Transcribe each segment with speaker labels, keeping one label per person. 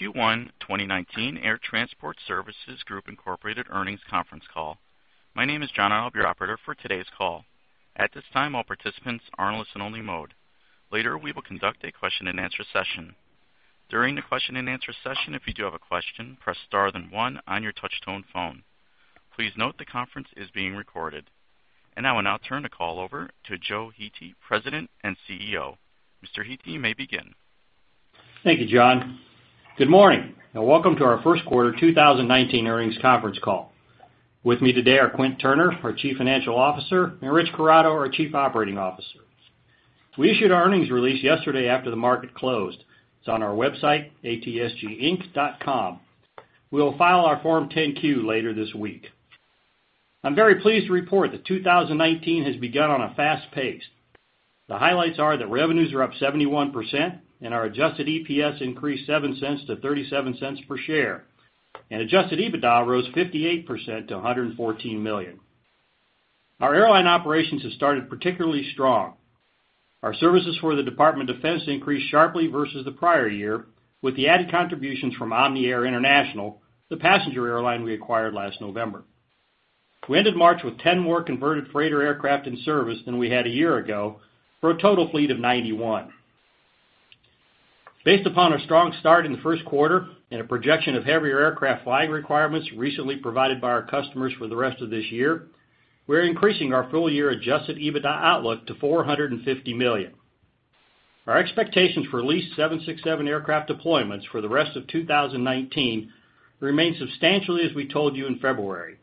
Speaker 1: Welcome to the Q1 2019 Air Transport Services Group, Inc. earnings conference call. My name is John, I'll be your operator for today's call. At this time, all participants are in listen only mode. Later, we will conduct a question and answer session. During the question and answer session, if you do have a question, press star then one on your touch tone phone. Please note the conference is being recorded. I will now turn the call over to Joe Hete, President and CEO. Mr. Hete, you may begin.
Speaker 2: Thank you, John. Good morning, and welcome to our first quarter 2019 earnings conference call. With me today are Quint Turney, our Chief Financial Officer, and Rich Corrado, our Chief Operating Officer. We issued our earnings release yesterday after the market closed. It's on our website, atsginc.com. We'll file our Form 10-Q later this week. I'm very pleased to report that 2019 has begun on a fast pace. The highlights are that revenues are up 71%, and our adjusted EPS increased $0.07 to $0.37 per share, and adjusted EBITDA rose 58% to $114 million. Our airline operations have started particularly strong. Our services for the Department of Defense increased sharply versus the prior year, with the added contributions from Omni Air International, the passenger airline we acquired last November. We ended March with 10 more converted freighter aircraft in service than we had a year ago, for a total fleet of 91. Based upon a strong start in the first quarter and a projection of heavier aircraft flying requirements recently provided by our customers for the rest of this year, we're increasing our full year adjusted EBITDA outlook to $450 million. Our expectations for leased 767 aircraft deployments for the rest of 2019 remain substantially as we told you in February.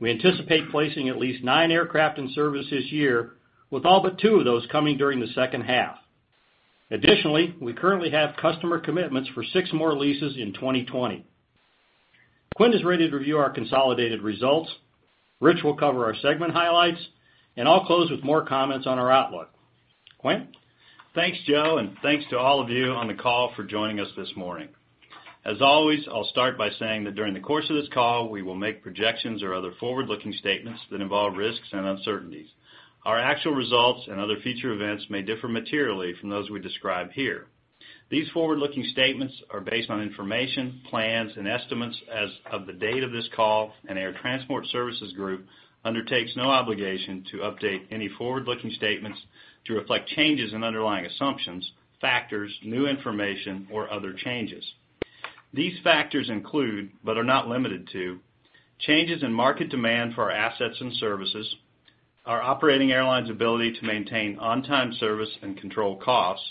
Speaker 2: We anticipate placing at least nine aircraft in service this year, with all but two of those coming during the second half. Additionally, we currently have customer commitments for six more leases in 2020. Quint is ready to review our consolidated results. Rich will cover our segment highlights, and I'll close with more comments on our outlook. Quint?
Speaker 3: Thanks, Joe, and thanks to all of you on the call for joining us this morning. As always, I'll start by saying that during the course of this call, we will make projections or other forward-looking statements that involve risks and uncertainties. Our actual results and other future events may differ materially from those we describe here. These forward-looking statements are based on information, plans, and estimates as of the date of this call, and Air Transport Services Group undertakes no obligation to update any forward-looking statements to reflect changes in underlying assumptions, factors, new information, or other changes. These factors include, but are not limited to, changes in market demand for our assets and services, our operating airlines' ability to maintain on-time service and control costs,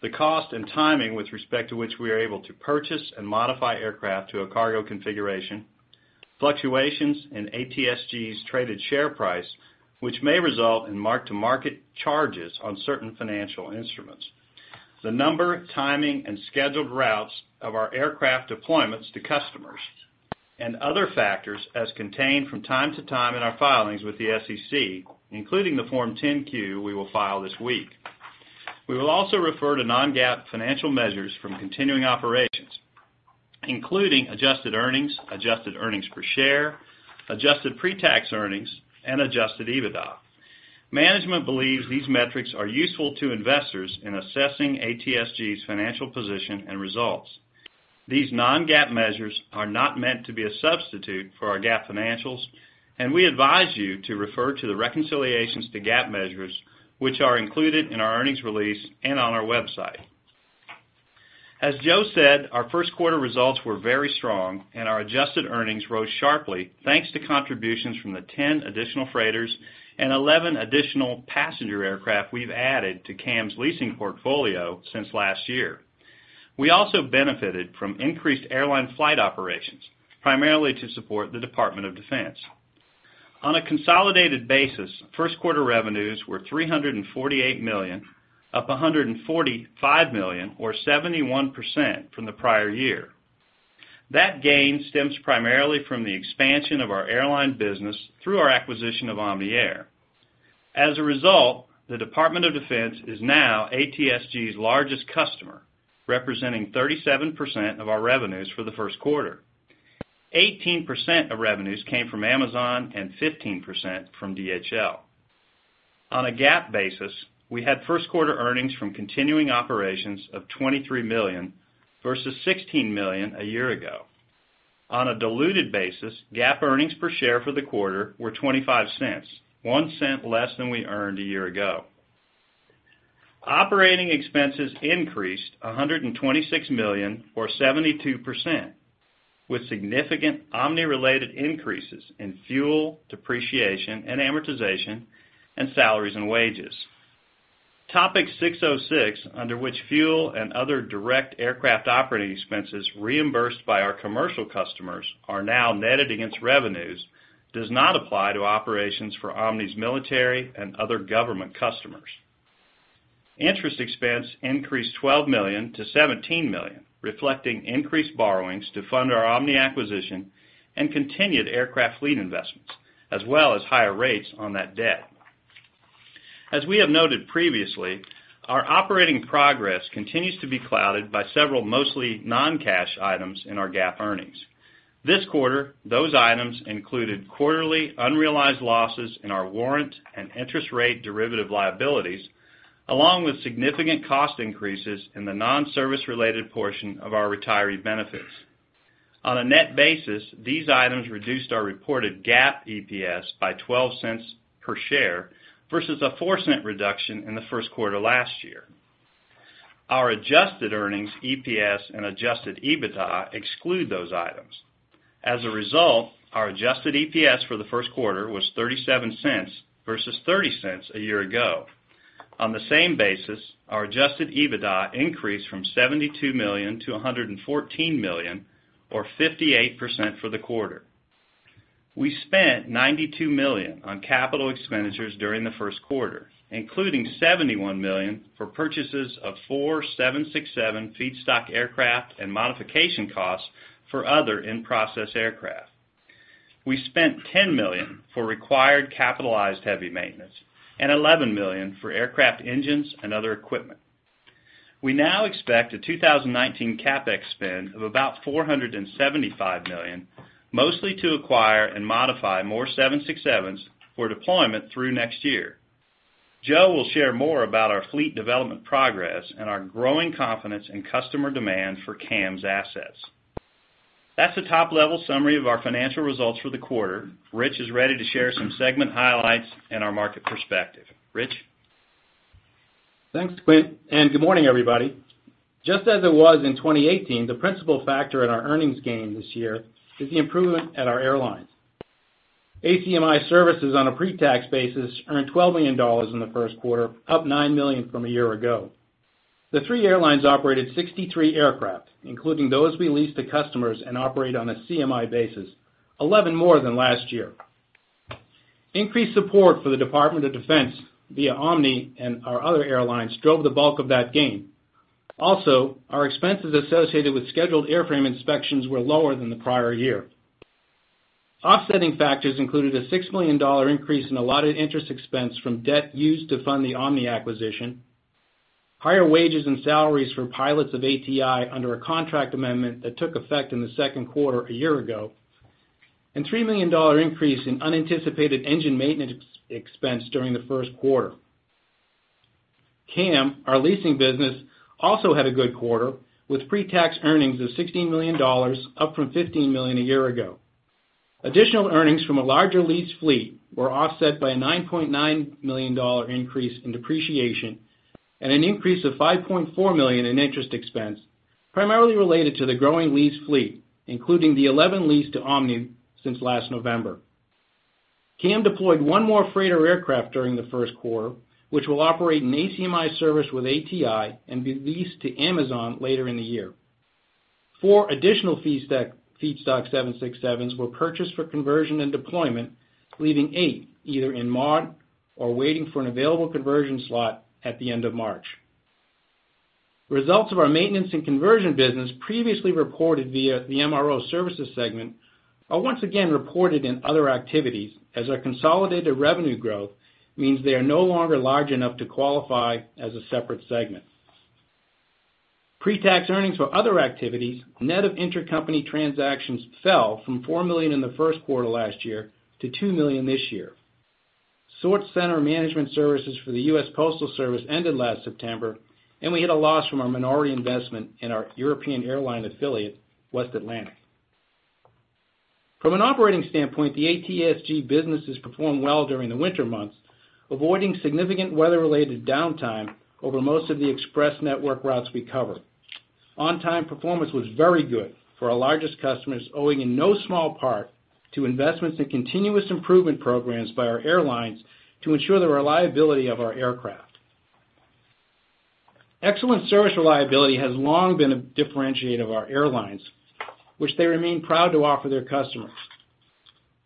Speaker 3: the cost and timing with respect to which we are able to purchase and modify aircraft to a cargo configuration, fluctuations in ATSG's traded share price, which may result in mark-to-market charges on certain financial instruments, the number, timing, and scheduled routes of our aircraft deployments to customers, and other factors as contained from time to time in our filings with the SEC, including the Form 10-Q we will file this week. We will also refer to non-GAAP financial measures from continuing operations, including adjusted earnings, adjusted earnings per share, adjusted pre-tax earnings and adjusted EBITDA. Management believes these metrics are useful to investors in assessing ATSG's financial position and results. These non-GAAP measures are not meant to be a substitute for our GAAP financials. We advise you to refer to the reconciliations to GAAP measures, which are included in our earnings release and on our website. As Joe said, our first quarter results were very strong. Our adjusted earnings rose sharply, thanks to contributions from the 10 additional freighters and 11 additional passenger aircraft we've added to CAM's leasing portfolio since last year. We also benefited from increased airline flight operations, primarily to support the Department of Defense. On a consolidated basis, first quarter revenues were $348 million, up $145 million, or 71% from the prior year. That gain stems primarily from the expansion of our airline business through our acquisition of Omni Air. As a result, the Department of Defense is now ATSG's largest customer, representing 37% of our revenues for the first quarter. 18% of revenues came from Amazon and 15% from DHL. On a GAAP basis, we had first quarter earnings from continuing operations of $23 million versus $16 million a year ago. On a diluted basis, GAAP earnings per share for the quarter were $0.25, $0.01 less than we earned a year ago. Operating expenses increased $126 million or 72%, with significant Omni-related increases in fuel, depreciation and amortization, and salaries and wages. Topic 606, under which fuel and other direct aircraft operating expenses reimbursed by our commercial customers are now netted against revenues, does not apply to operations for Omni's military and other government customers. Interest expense increased $12 million to $17 million, reflecting increased borrowings to fund our Omni acquisition and continued aircraft fleet investments, as well as higher rates on that debt. As we have noted previously, our operating progress continues to be clouded by several mostly non-cash items in our GAAP earnings. This quarter, those items included quarterly unrealized losses in our warrant and interest rate derivative liabilities, along with significant cost increases in the non-service related portion of our retiree benefits. On a net basis, these items reduced our reported GAAP EPS by $0.12 per share, versus a $0.04 reduction in the first quarter last year. Our adjusted earnings EPS and adjusted EBITDA exclude those items. As a result, our adjusted EPS for the first quarter was $0.37 versus $0.30 a year ago. On the same basis, our adjusted EBITDA increased from $72 million to $114 million, or 58% for the quarter. We spent $92 million on capital expenditures during the first quarter, including $71 million for purchases of four 767 feedstock aircraft and modification costs for other in-process aircraft. We spent $10 million for required capitalized heavy maintenance and $11 million for aircraft engines and other equipment. We now expect a 2019 CapEx spend of about $475 million, mostly to acquire and modify more 767s for deployment through next year. Joe will share more about our fleet development progress and our growing confidence in customer demand for CAM's assets. That's a top-level summary of our financial results for the quarter. Rich is ready to share some segment highlights and our market perspective. Rich?
Speaker 4: Thanks, Quint, and good morning, everybody. Just as it was in 2018, the principal factor in our earnings gain this year is the improvement at our airlines. ACMI services on a pre-tax basis earned $12 million in the first quarter, up $9 million from a year ago. The three airlines operated 63 aircraft, including those we lease to customers and operate on a CMI basis, 11 more than last year. Increased support for the Department of Defense via Omni and our other airlines drove the bulk of that gain. Also, our expenses associated with scheduled airframe inspections were lower than the prior year. Offsetting factors included a $6 million increase in allotted interest expense from debt used to fund the Omni acquisition, higher wages and salaries for pilots of ATI under a contract amendment that took effect in the second quarter a year ago, and $3 million increase in unanticipated engine maintenance expense during the first quarter. CAM, our leasing business, also had a good quarter, with pre-tax earnings of $16 million, up from $15 million a year ago. Additional earnings from a larger lease fleet were offset by a $9.9 million increase in depreciation and an increase of $5.4 million in interest expense, primarily related to the growing lease fleet, including the 11 leased to Omni since last November. CAM deployed one more freighter aircraft during the first quarter, which will operate an ACMI service with ATI and be leased to Amazon later in the year. Four additional feedstock 767s were purchased for conversion and deployment, leaving eight either in mod or waiting for an available conversion slot at the end of March. Results of our maintenance and conversion business previously reported via the MRO services segment are once again reported in other activities, as our consolidated revenue growth means they are no longer large enough to qualify as a separate segment. Pre-tax earnings for other activities, net of intercompany transactions fell from $4 million in the first quarter last year to $2 million this year. Sort center management services for the U.S. Postal Service ended last September, and we had a loss from our minority investment in our European airline affiliate, West Atlantic. From an operating standpoint, the ATSG businesses performed well during the winter months, avoiding significant weather-related downtime over most of the express network routes we cover. On-time performance was very good for our largest customers, owing in no small part to investments in continuous improvement programs by our airlines to ensure the reliability of our aircraft. Excellent service reliability has long been a differentiator of our airlines, which they remain proud to offer their customers.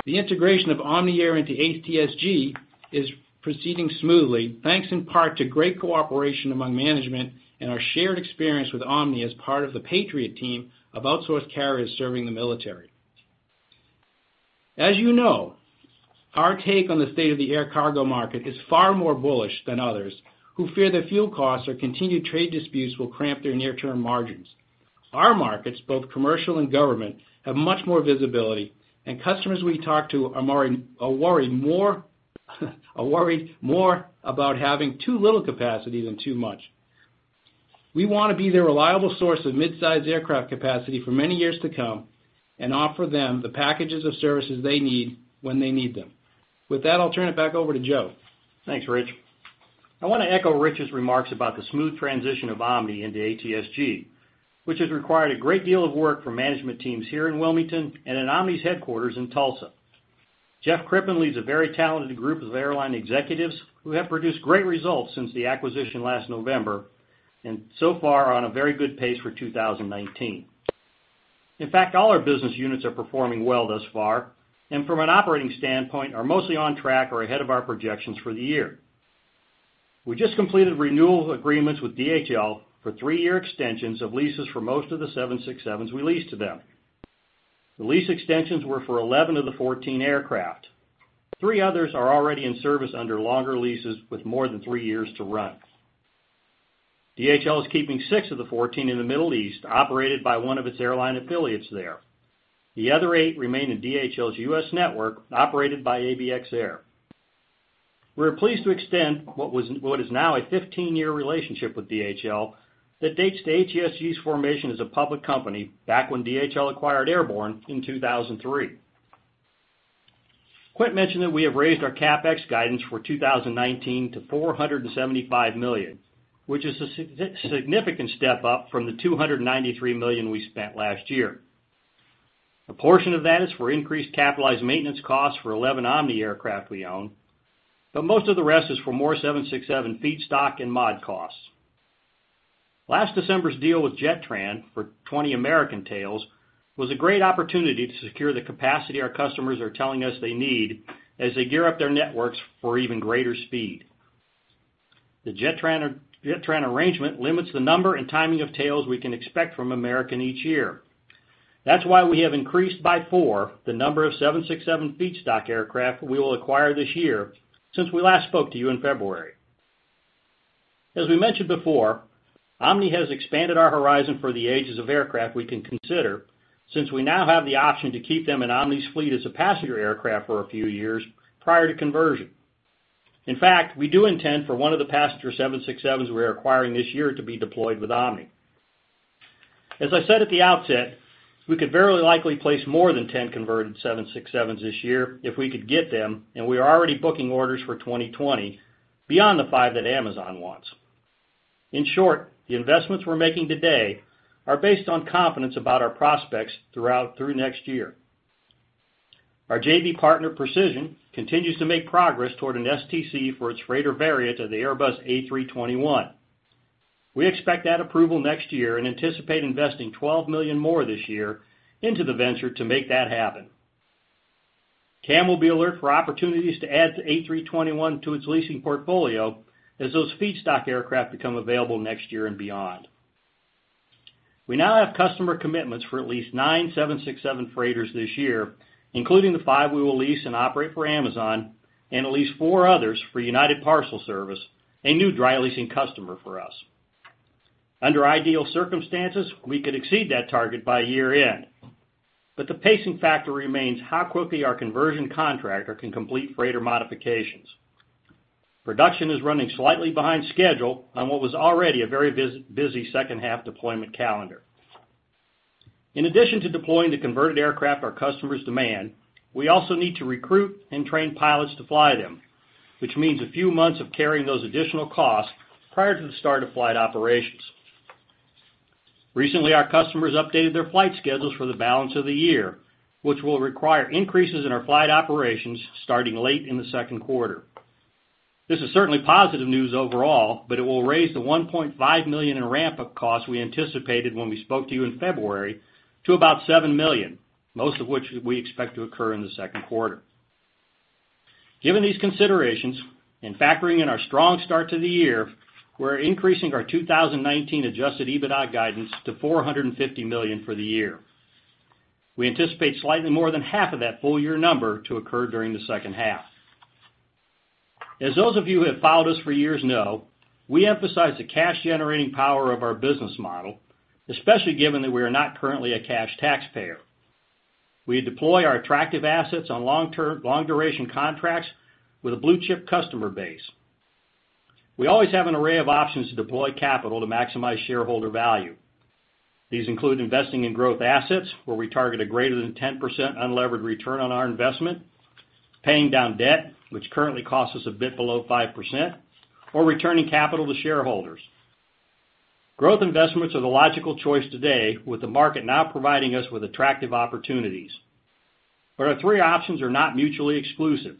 Speaker 4: The integration of Omni Air into ATSG is proceeding smoothly, thanks in part to great cooperation among management and our shared experience with Omni as part of the Patriot Team of outsourced carriers serving the military. As you know, our take on the state of the air cargo market is far more bullish than others who fear that fuel costs or continued trade disputes will cramp their near-term margins. Our markets, both commercial and government, have much more visibility, and customers we talk to are worried more about having too little capacity than too much. We want to be their reliable source of mid-size aircraft capacity for many years to come and offer them the packages of services they need when they need them. With that, I'll turn it back over to Joe.
Speaker 2: Thanks, Rich. I want to echo Rich's remarks about the smooth transition of Omni into ATSG, which has required a great deal of work from management teams here in Wilmington and in Omni's headquarters in Tulsa. Jeff Crippen leads a very talented group of airline executives who have produced great results since the acquisition last November, and so far are on a very good pace for 2019. All our business units are performing well thus far, and from an operating standpoint, are mostly on track or ahead of our projections for the year. We just completed renewal agreements with DHL for three-year extensions of leases for most of the 767s we leased to them. The lease extensions were for 11 of the 14 aircraft. Three others are already in service under longer leases with more than three years to run. DHL is keeping six of the 14 in the Middle East, operated by one of its airline affiliates there. The other eight remain in DHL's U.S. network, operated by ABX Air. We're pleased to extend what is now a 15-year relationship with DHL that dates to ATSG's formation as a public company back when DHL acquired Airborne in 2003. Quint mentioned that we have raised our CapEx guidance for 2019 to $475 million, which is a significant step up from the $293 million we spent last year. A portion of that is for increased capitalized maintenance costs for 11 Omni aircraft we own, but most of the rest is for more 767 feedstock and mod costs. Last December's deal with Jetran for 20 American tails was a great opportunity to secure the capacity our customers are telling us they need as they gear up their networks for even greater speed. The Jetran arrangement limits the number and timing of tails we can expect from American each year. That's why we have increased by four the number of 767 feedstock aircraft we will acquire this year, since we last spoke to you in February. As we mentioned before, Omni has expanded our horizon for the ages of aircraft we can consider, since we now have the option to keep them in Omni's fleet as a passenger aircraft for a few years prior to conversion. In fact, we do intend for one of the passenger 767s we are acquiring this year to be deployed with Omni. As I said at the outset, we could very likely place more than 10 converted 767s this year if we could get them, and we are already booking orders for 2020, beyond the five that Amazon wants. The investments we're making today are based on confidence about our prospects through next year. Our JV partner, Precision, continues to make progress toward an STC for its freighter variant of the Airbus A321. We expect that approval next year and anticipate investing $12 million more this year into the venture to make that happen. CAM will be alert for opportunities to add the A321 to its leasing portfolio as those feedstock aircraft become available next year and beyond. We now have customer commitments for at least nine 767 freighters this year, including the five we will lease and operate for Amazon, and at least four others for United Parcel Service, a new dry leasing customer for us. Under ideal circumstances, we could exceed that target by year-end. The pacing factor remains how quickly our conversion contractor can complete freighter modifications. Production is running slightly behind schedule on what was already a very busy second half deployment calendar. In addition to deploying the converted aircraft our customers demand, we also need to recruit and train pilots to fly them, which means a few months of carrying those additional costs prior to the start of flight operations. Recently, our customers updated their flight schedules for the balance of the year, which will require increases in our flight operations starting late in the second quarter. This is certainly positive news overall. It will raise the $1.5 million in ramp-up costs we anticipated when we spoke to you in February to about $7 million, most of which we expect to occur in the second quarter. Given these considerations, and factoring in our strong start to the year, we're increasing our 2019 adjusted EBITDA guidance to $450 million for the year. We anticipate slightly more than half of that full-year number to occur during the second half. As those of you who have followed us for years know, we emphasize the cash-generating power of our business model, especially given that we are not currently a cash taxpayer. We deploy our attractive assets on long-duration contracts with a blue-chip customer base. We always have an array of options to deploy capital to maximize shareholder value. These include investing in growth assets, where we target a greater than 10% unlevered return on our investment, paying down debt, which currently costs us a bit below 5%, or returning capital to shareholders. Growth investments are the logical choice today, with the market now providing us with attractive opportunities. Our three options are not mutually exclusive.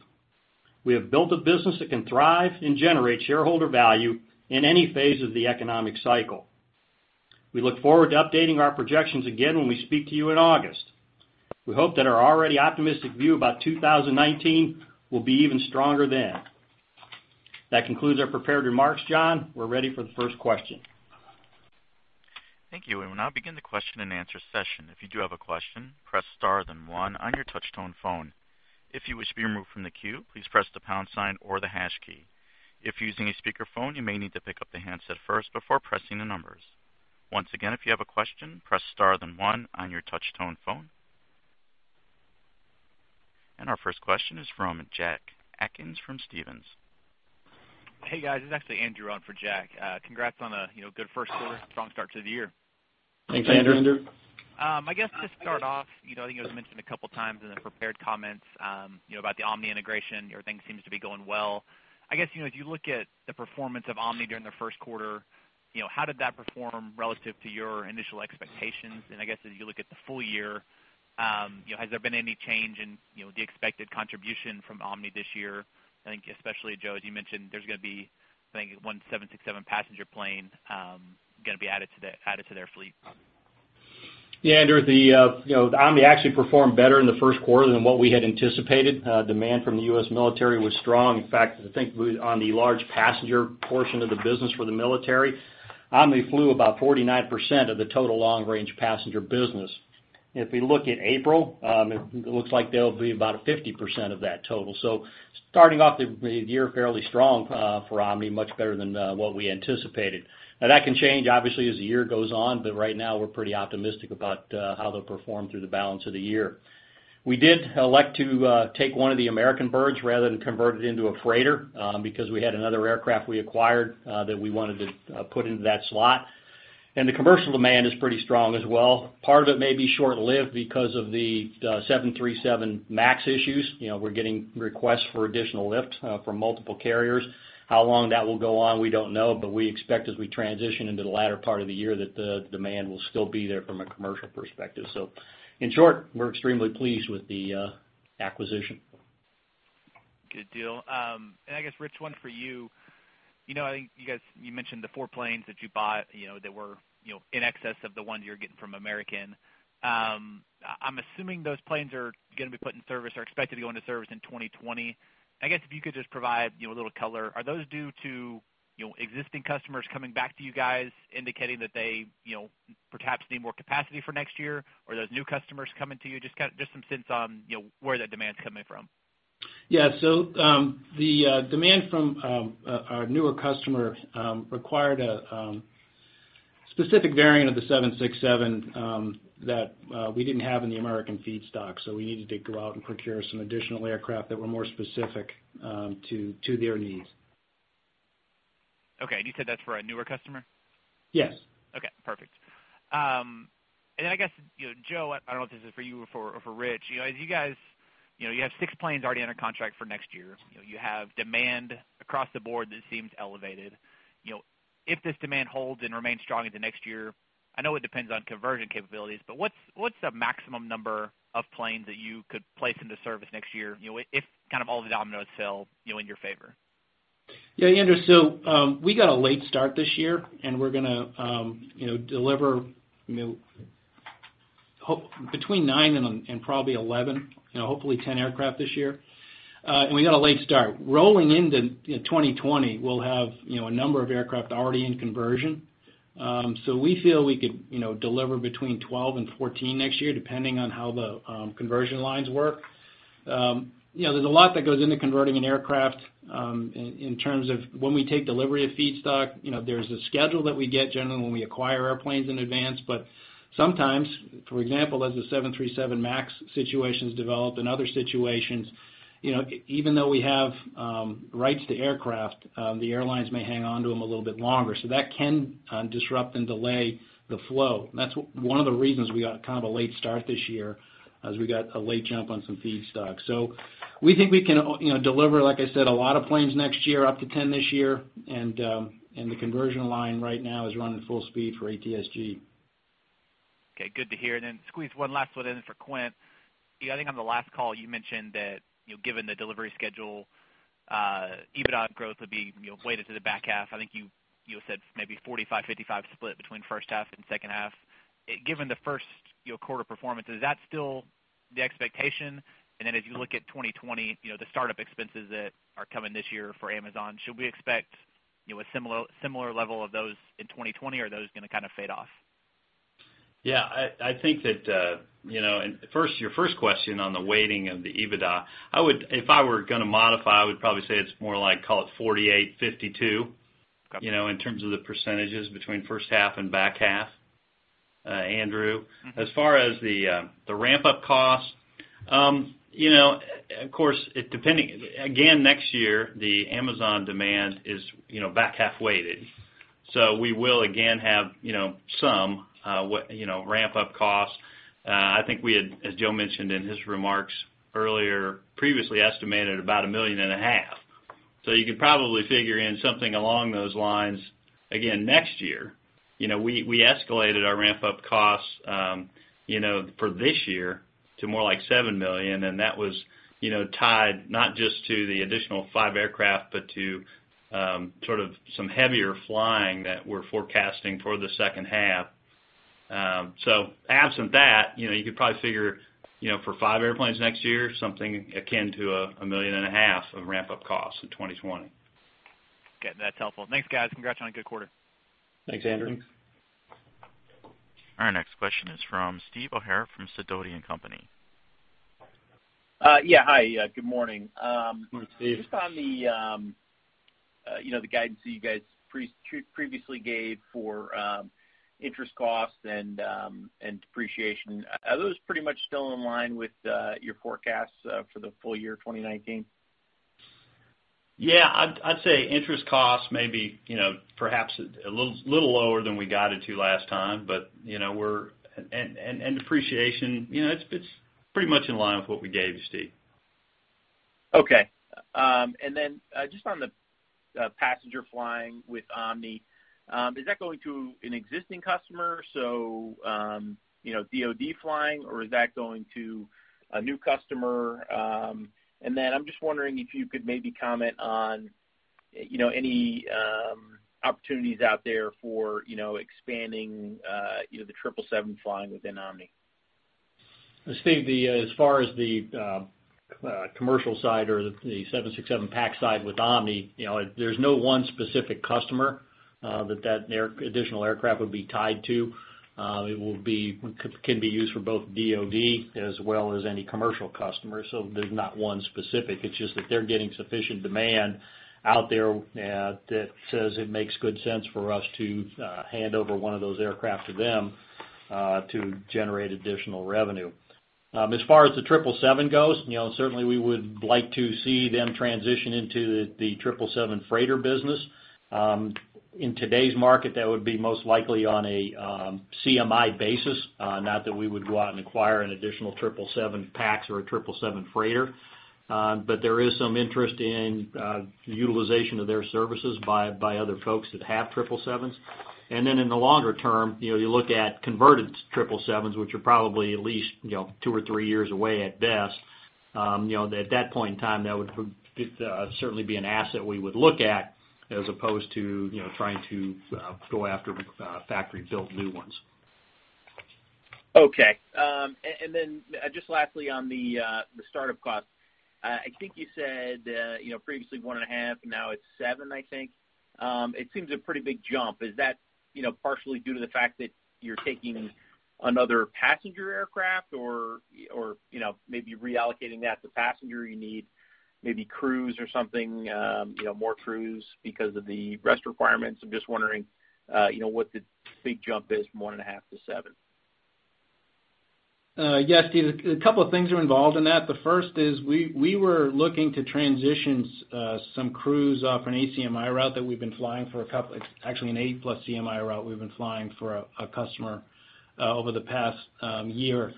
Speaker 2: We have built a business that can thrive and generate shareholder value in any phase of the economic cycle. We look forward to updating our projections again when we speak to you in August. We hope that our already optimistic view about 2019 will be even stronger then. That concludes our prepared remarks, John. We're ready for the first question.
Speaker 1: Thank you. We will now begin the question and answer session. If you do have a question, press star, then one on your touch-tone phone. If you wish to be removed from the queue, please press the pound sign or the hash key. If you're using a speakerphone, you may need to pick up the handset first before pressing the numbers. Once again, if you have a question, press star, then one on your touch-tone phone. Our first question is from Jack Atkins from Stephens.
Speaker 5: Hey, guys. It's actually Andrew on for Jack. Congrats on a good first quarter, strong start to the year.
Speaker 2: Thanks, Andrew.
Speaker 5: I guess just to start off, I think it was mentioned a couple of times in the prepared comments, about the Omni integration. Everything seems to be going well. I guess, as you look at the performance of Omni during the first quarter, how did that perform relative to your initial expectations? I guess as you look at the full year, has there been any change in the expected contribution from Omni this year? I think, especially Joe, as you mentioned, there is going to be one 767 passenger plane going to be added to their fleet.
Speaker 2: Yeah, Andrew, Omni actually performed better in the first quarter than what we had anticipated. Demand from the U.S. military was strong. In fact, I think on the large passenger portion of the business for the military, Omni flew about 49% of the total long-range passenger business. If we look at April, it looks like they will be about a 50% of that total. Starting off the year fairly strong for Omni, much better than what we anticipated. Now, that can change obviously as the year goes on, but right now we are pretty optimistic about how they will perform through the balance of the year. We did elect to take one of the American birds rather than convert it into a freighter, because we had another aircraft we acquired that we wanted to put into that slot. The commercial demand is pretty strong as well. Part of it may be short-lived because of the 737 MAX issues. We are getting requests for additional lift from multiple carriers. How long that will go on, we do not know, but we expect as we transition into the latter part of the year that the demand will still be there from a commercial perspective. In short, we are extremely pleased with the acquisition.
Speaker 5: Good deal. I guess, Rich, one for you. I think you guys, you mentioned the four planes that you bought that were in excess of the ones you are getting from American. I am assuming those planes are going to be put in service or expected to go into service in 2020. I guess if you could just provide a little color. Are those due to existing customers coming back to you guys indicating that they perhaps need more capacity for next year? Are those new customers coming to you? Just some sense on where that demand is coming from.
Speaker 2: Yeah. The demand from our newer customers required a specific variant of the 767 that we didn't have in the American feedstock. We needed to go out and procure some additional aircraft that were more specific to their needs.
Speaker 5: You said that's for a newer customer?
Speaker 2: Yes.
Speaker 5: Joe, I don't know if this is for you or for Rich. You guys, you have six planes already under contract for next year. You have demand across the board that seems elevated. If this demand holds and remains strong into next year, I know it depends on conversion capabilities, but what's the maximum number of planes that you could place into service next year, if all the dominoes fell in your favor?
Speaker 2: Yeah, Andrew. We got a late start this year, and we're going to deliver between nine and probably 11. Hopefully 10 aircraft this year. We got a late start. Rolling into 2020, we'll have a number of aircraft already in conversion. We feel we could deliver between 12 and 14 next year, depending on how the conversion lines work. There's a lot that goes into converting an aircraft, in terms of when we take delivery of feedstock. There's a schedule that we get generally when we acquire airplanes in advance, but sometimes, for example, as the 737 MAX situations develop and other situations, even though we have rights to aircraft, the airlines may hang on to them a little bit longer. That can disrupt and delay the flow. That's one of the reasons we got a late start this year as we got a late jump on some feedstock. We think we can deliver, like I said, a lot of planes next year, up to 10 this year. The conversion line right now is running full speed for ATSG.
Speaker 5: Okay, good to hear. Squeeze one last one in for Quint. I think on the last call you mentioned that given the delivery schedule, EBITDA growth would be weighted to the back half. I think you said maybe 45/55 split between first half and second half. Given the first quarter performance, is that still the expectation? Then as you look at 2020, the startup expenses that are coming this year for Amazon, should we expect a similar level of those in 2020? Or are those going to kind of fade off?
Speaker 3: Yeah. I think that your first question on the weighting of the EBITDA, if I were going to modify, I would probably say it's more like call it 48/52-
Speaker 5: Okay
Speaker 3: in terms of the percentages between first half and back half, Andrew. As far as the ramp-up cost, of course, again, next year, the Amazon demand is back half weighted, we will again have some ramp-up costs. I think we had, as Joe mentioned in his remarks earlier, previously estimated about a million and a half. You could probably figure in something along those lines again next year. We escalated our ramp-up costs for this year to more like $7 million, that was tied not just to the additional five aircraft, but to sort of some heavier flying that we're forecasting for the second half. Absent that, you could probably figure, for five airplanes next year, something akin to a million and a half of ramp-up costs in 2020.
Speaker 5: Okay. That's helpful. Thanks, guys. Congrats on a good quarter.
Speaker 2: Thanks, Andrew.
Speaker 3: Thanks.
Speaker 1: Our next question is from Steve O'Hara from Sidoti & Company.
Speaker 6: Yeah. Hi, good morning.
Speaker 3: Good morning, Steve.
Speaker 6: On the guidance that you guys previously gave for interest costs and depreciation. Are those pretty much still in line with your forecasts for the full year 2019?
Speaker 3: Yeah. I'd say interest costs may be perhaps a little lower than we guided to last time, depreciation, it's pretty much in line with what we gave you, Steve.
Speaker 6: Okay. On the passenger flying with Omni. Is that going to an existing customer, so DoD flying, or is that going to a new customer? I'm just wondering if you could maybe comment on any opportunities out there for expanding the 777 flying within Omni.
Speaker 2: Steve, as far as the commercial side or the 767 PAX side with Omni, there's no one specific customer that additional aircraft would be tied to. It can be used for both DOD as well as any commercial customer. There's not one specific, it's just that they're getting sufficient demand out there that says it makes good sense for us to hand over one of those aircraft to them to generate additional revenue. As far as the 777 goes, certainly we would like to see them transition into the 777 freighter business. In today's market, that would be most likely on a CMI basis. Not that we would go out and acquire an additional 777 PAX or a 777 freighter. There is some interest in utilization of their services by other folks that have 777s. In the longer term, you look at converted 777s, which are probably at least two or three years away at best. At that point in time, that would certainly be an asset we would look at as opposed to trying to go after factory-built new ones.
Speaker 6: Okay. Just lastly on the startup cost, I think you said previously, one and a half, now it's seven, I think. It seems a pretty big jump. Is that partially due to the fact that you're taking another passenger aircraft or maybe reallocating that to passenger, you need maybe crews or something, more crews because of the rest requirements? I'm just wondering what the big jump is from one and a half to seven.
Speaker 2: Yes, Steve, a couple of things are involved in that. The first is we were looking to transition some crews off an ACMI route that we've been flying for actually an eight-plus CMI route we've been flying for a customer over the past year.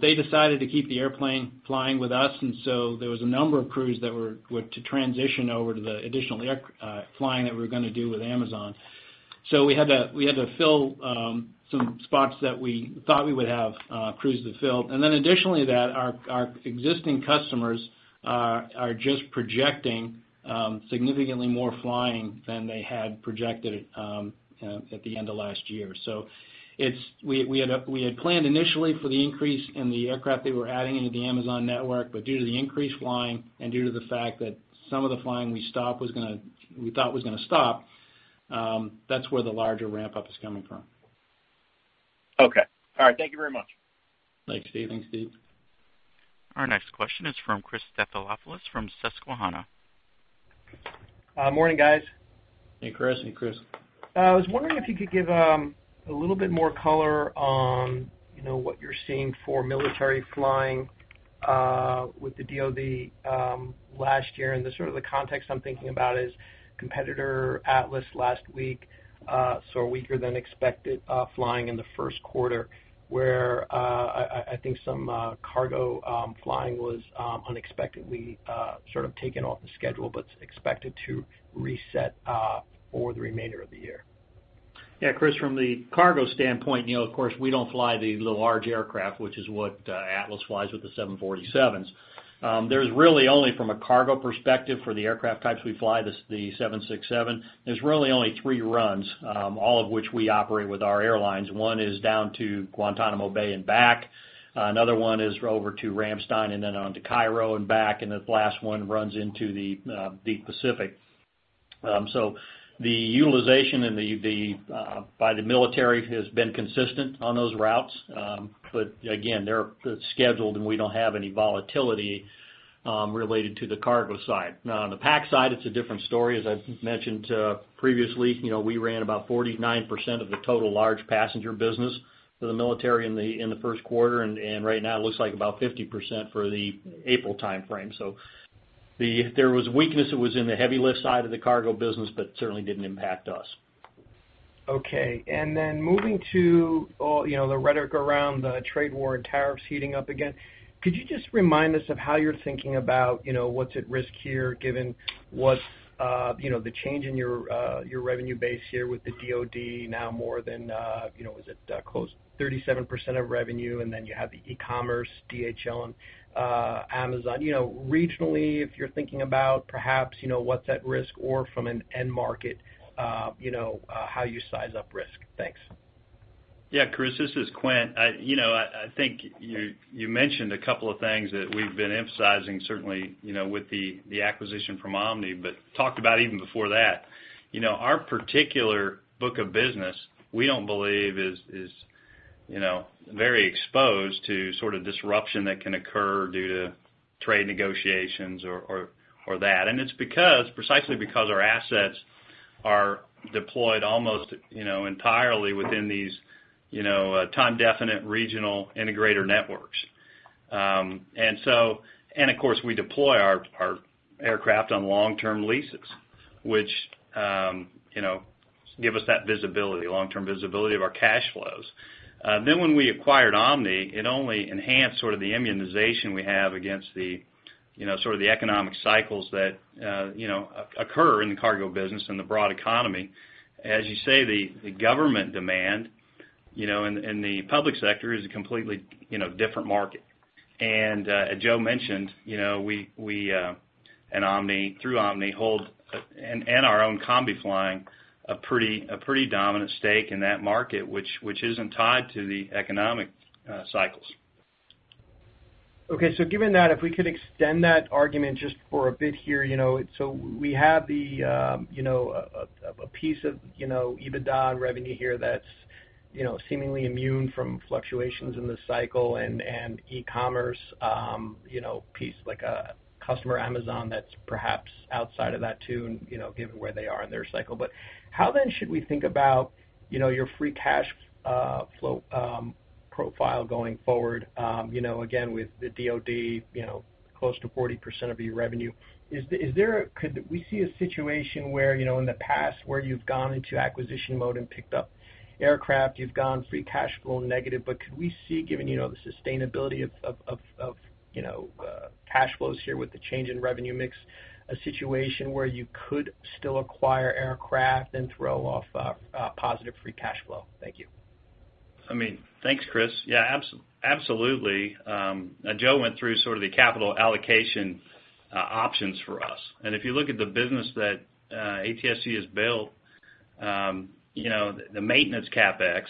Speaker 2: They decided to keep the airplane flying with us, there was a number of crews that were to transition over to the additional flying that we were going to do with Amazon. We had to fill some spots that we thought we would have crews to fill. Additionally, that our existing customers are just projecting significantly more flying than they had projected at the end of last year. We had planned initially for the increase in the aircraft they were adding into the Amazon network. Due to the increased flying and due to the fact that some of the flying we thought was going to stop, that's where the larger ramp-up is coming from.
Speaker 6: Okay. All right. Thank you very much.
Speaker 2: Thanks, Steve.
Speaker 1: Our next question is from Christopher Stathoulopoulos from Susquehanna.
Speaker 7: Morning, guys.
Speaker 2: Hey, Chris.
Speaker 3: Hey, Chris.
Speaker 7: I was wondering if you could give a little bit more color on what you're seeing for military flying with the DOD last year, and the context I'm thinking about is competitor Atlas last week, saw weaker than expected flying in the first quarter where I think some cargo flying was unexpectedly taken off the schedule, but expected to reset for the remainder of the year.
Speaker 2: Chris, from the cargo standpoint, of course, we don't fly the large aircraft, which is what Atlas flies with the 747s. There's really only from a cargo perspective for the aircraft types we fly, the 767, there's really only three runs, all of which we operate with our airlines. One is down to Guantanamo Bay and back, another one is over to Ramstein and then on to Cairo and back, and the last one runs into the Pacific. The utilization by the military has been consistent on those routes. Again, they're scheduled, and we don't have any volatility related to the cargo side. Now, on the PAX side, it's a different story. As I mentioned previously, we ran about 49% of the total large passenger business for the military in the first quarter, and right now it looks like about 50% for the April timeframe. If there was weakness, it was in the heavy lift side of the cargo business, certainly didn't impact us.
Speaker 7: Okay. Moving to the rhetoric around the trade war and tariffs heating up again, could you just remind us of how you're thinking about what's at risk here, given the change in your revenue base here with the DOD now more than, is it close to 37% of revenue, then you have the e-commerce, DHL, and Amazon. Regionally, if you're thinking about perhaps what's at risk or from an end market, how you size up risk. Thanks.
Speaker 3: Chris, this is Quint. I think you mentioned a couple of things that we've been emphasizing, certainly, with the acquisition from Omni, talked about even before that. Our particular book of business, we don't believe is very exposed to disruption that can occur due to trade negotiations or that. It's precisely because our assets are deployed almost entirely within these time-definite regional integrator networks. Of course, we deploy our aircraft on long-term leases, which give us that visibility, long-term visibility of our cash flows. When we acquired Omni, it only enhanced the immunization we have against the economic cycles that occur in the cargo business and the broad economy. As you say, the government demand and the public sector is a completely different market. As Joe mentioned, through Omni and our own Combi flying, a pretty dominant stake in that market, which isn't tied to the economic cycles.
Speaker 7: Okay. Given that, if we could extend that argument just for a bit here. We have a piece of EBITDA and revenue here that's seemingly immune from fluctuations in the cycle and e-commerce, piece like a customer, Amazon, that's perhaps outside of that too, given where they are in their cycle. How then should we think about your free cash flow profile going forward, again, with the DoD, close to 40% of your revenue? Could we see a situation where, in the past, where you've gone into acquisition mode and picked up aircraft, you've gone free cash flow negative, but could we see, given the sustainability of cash flows here with the change in revenue mix, a situation where you could still acquire aircraft and throw off a positive free cash flow? Thank you.
Speaker 3: Thanks, Chris. Yeah, absolutely. Joe went through sort of the capital allocation options for us. If you look at the business that ATSG has built, the maintenance CapEx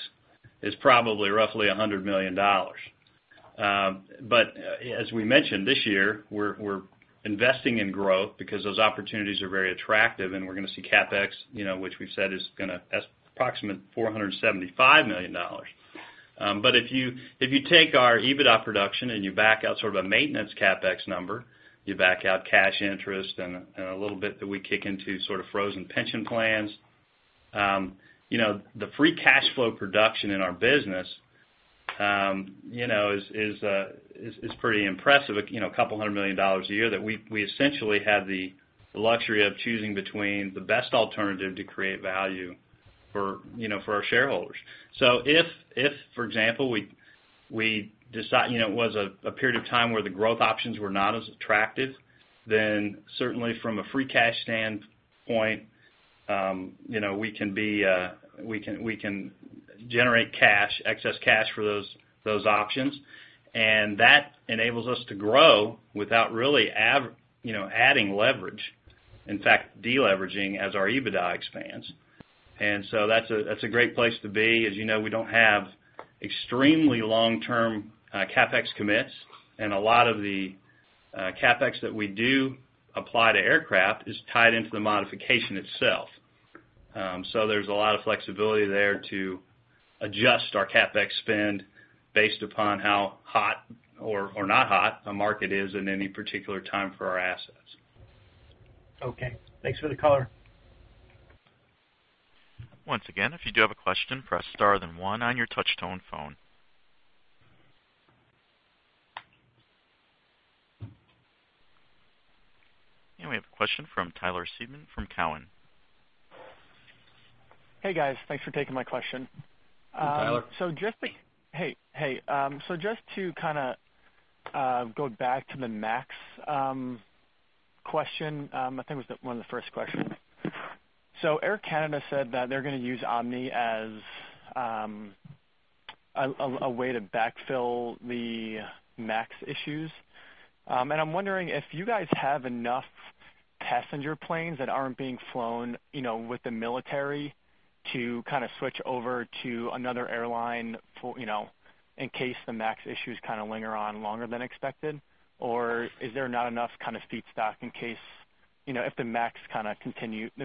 Speaker 3: is probably roughly $100 million. As we mentioned this year, we're investing in growth because those opportunities are very attractive, and we're going to see CapEx, which we've said is going to approximate $475 million. If you take our EBITDA production and you back out sort of a maintenance CapEx number, you back out cash interest and a little bit that we kick into sort of frozen pension plans. The free cash flow production in our business is pretty impressive, $200 million a year that we essentially have the luxury of choosing between the best alternative to create value for our shareholders. If, for example, it was a period of time where the growth options were not as attractive, then certainly from a free cash standpoint, we can generate excess cash for those options. That enables us to grow without really adding leverage. In fact, de-leveraging as our EBITDA expands. That's a great place to be. As you know, we don't have extremely long-term CapEx commits, and a lot of the CapEx that we do apply to aircraft is tied into the modification itself. There's a lot of flexibility there to adjust our CapEx spend based upon how hot or not hot a market is in any particular time for our assets.
Speaker 7: Okay. Thanks for the color.
Speaker 1: Once again, if you do have a question, press star, then one on your touch-tone phone. We have a question from Tyler Seaman from Cowen.
Speaker 8: Hey, guys. Thanks for taking my question.
Speaker 3: Hey, Tyler.
Speaker 8: Hey. Just to kind of go back to the MAX question, I think it was one of the first questions. Air Canada said that they're going to use Omni as a way to backfill the MAX issues. I'm wondering if you guys have enough passenger planes that aren't being flown with the military to kind of switch over to another airline, in case the MAX issues kind of linger on longer than expected. Is there not enough kind of feedstock if the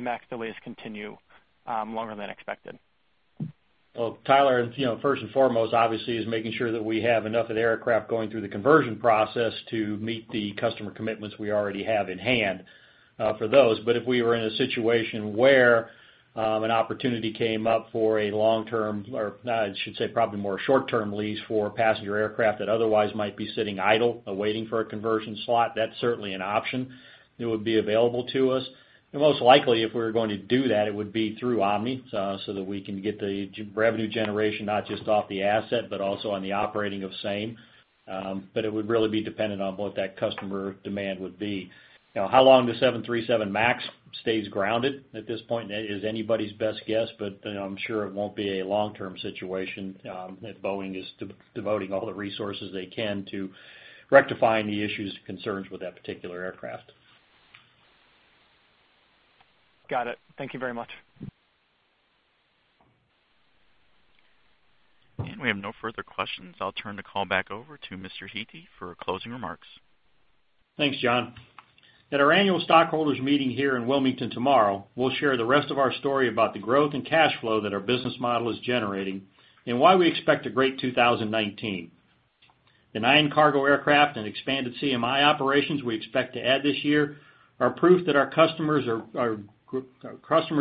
Speaker 8: MAX delays continue longer than expected?
Speaker 2: Well, Tyler, first and foremost, obviously, is making sure that we have enough of the aircraft going through the conversion process to meet the customer commitments we already have in hand for those. If we were in a situation where an opportunity came up for a long term, or I should say probably more short term lease for passenger aircraft that otherwise might be sitting idle, awaiting for a conversion slot, that's certainly an option that would be available to us. Most likely, if we were going to do that, it would be through Omni, so that we can get the revenue generation, not just off the asset, but also on the operating of same. It would really be dependent on what that customer demand would be.
Speaker 3: How long the 737 MAX stays grounded at this point is anybody's best guess, but I'm sure it won't be a long-term situation, that Boeing is devoting all the resources they can to rectifying the issues and concerns with that particular aircraft.
Speaker 8: Got it. Thank you very much.
Speaker 1: We have no further questions. I'll turn the call back over to Mr. Hete for closing remarks.
Speaker 2: Thanks, John. At our annual stockholders meeting here in Wilmington tomorrow, we'll share the rest of our story about the growth and cash flow that our business model is generating and why we expect a great 2019. The nine cargo aircraft and expanded CMI operations we expect to add this year are proof that our customers